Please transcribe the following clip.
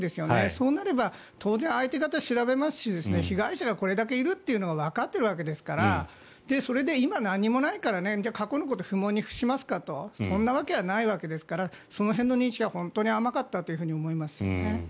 そうなれば、当然相手方、調べますし被害者がこれだけいるというのはわかっているわけですから今、何もないからじゃあ過去のことを不問にしますかとそんなわけはないわけですからその辺の認識は本当に甘かったと思いますね。